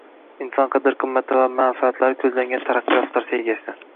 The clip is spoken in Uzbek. Inson qadr-qimmati va manfaatlari ko‘zlangan Taraqqiyot strategiyasing